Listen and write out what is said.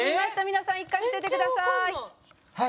皆さん１回伏せてください。